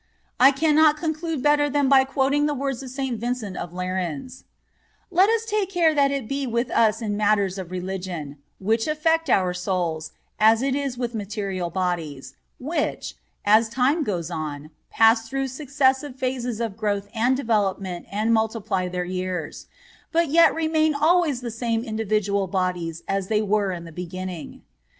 I cannot conclude better than by quoting the words of St. Vincent of Lerins: "Let us take care that it be with us in matters of religion, which affect our souls, as it is with material bodies, which, as time goes on, pass through successive phases of growth and development and multiply their years, but yet remain always the same individual bodies as they were in the beginning....